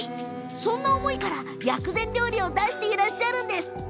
そんな思いから薬膳料理を出しているんです。